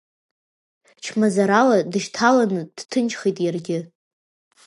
Чмазарала дышьҭаланы, дҭынчхеит иаргьы.